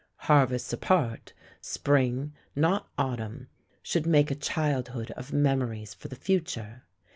Harvests apart, Spring, not Autumn, should make a childhood of memories for the future.